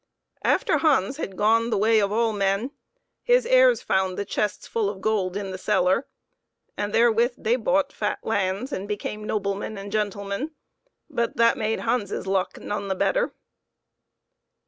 After Hans had gone the way of all men, his heirs found the chests full of gold in the HANS HECKLEMANN'S LUCK. 69 cellar, and therewith they bought fat lands and became noblemen and gentlemen ; but that made Hans's luck none the better.